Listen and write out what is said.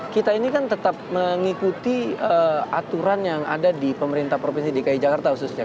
kita ini kan tetap mengikuti aturan yang ada di pemerintah provinsi dki jakarta khususnya